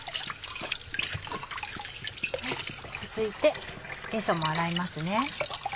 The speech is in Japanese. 続いてゲソも洗いますね。